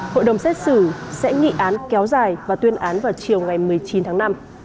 hội đồng xét xử sẽ nghị án kéo dài và tuyên án vào chiều ngày một mươi chín tháng năm